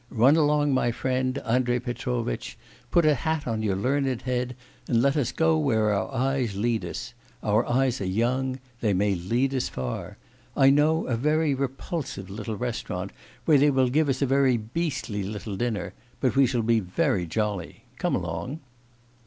Run along, my friend, Andrei Petrovitch, put a hat on your learned head, and let us go where our eyes lead us. Our eyes are young they may lead us far. I know a very repulsive little restaurant, where they will give us a very beastly little dinner; but we shall be very jolly. Come along.